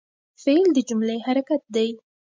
فعل د جملې حرکت دئ.